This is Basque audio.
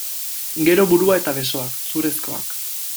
Gero burua eta besoak, zurezkoak.